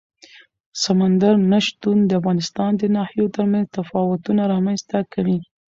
سمندر نه شتون د افغانستان د ناحیو ترمنځ تفاوتونه رامنځ ته کوي.